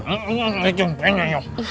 eh ini nih cumpenya